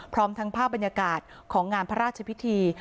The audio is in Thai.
พร้อมทั้งภาพบรรยากาศของงานพระราชพิธี